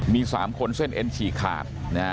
มี๓คนเส้นเอ็นฉีกขาด